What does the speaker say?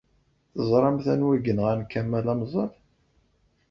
Teẓṛamt anwa i yenɣan Kamel Amzal?